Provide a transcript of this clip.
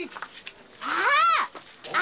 ああ！